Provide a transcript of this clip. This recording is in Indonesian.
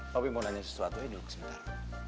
tapi mau nanya sesuatu ya duduk sebentar